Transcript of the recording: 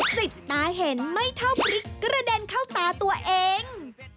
สิบตาเห็นไม่เท่าพริกกระเด็นเข้าตาตัวเอง